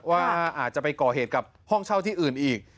ว่าอาจจะไปก่อเหตุกับห้องเช่าที่อื่นอีก